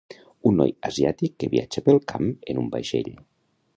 Un noi asiàtic que viatja pel camp en un vaixell.